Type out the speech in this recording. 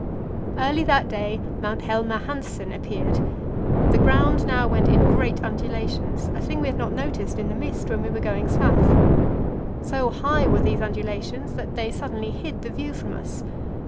Early that day Mount Helmer Hanssen appeared. The ground now went in great undulations a thing we had not noticed in the mist when we were going south. So high were these undulations that they suddenly hid the view from us.